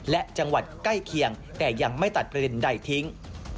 และจังหวัดใกล้เคียงแต่ยังไม่ตัดประเด็นใดทิ้ง